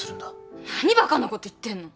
何バカなこと言ってんの？